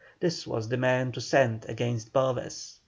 This was the man to send against Boves.